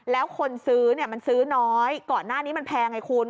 แล้วคนซื้อเนี่ยมันซื้อน้อยก่อนหน้านี้มันแพงไงคุณ